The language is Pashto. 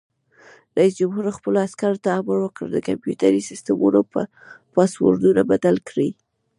رئیس جمهور خپلو عسکرو ته امر وکړ؛ د کمپیوټري سیسټمونو پاسورډونه بدل کړئ!